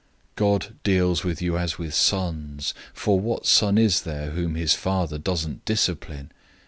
God deals with you as with children, for what son is there whom his father doesn't discipline?